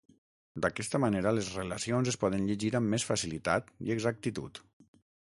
D'aquesta manera, les relacions es poden llegir amb més facilitat i exactitud.